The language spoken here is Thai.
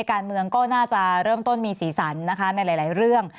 การเมืองก็น่าจะเริ่มต้นมีสีสันนะคะในหลายเรื่อง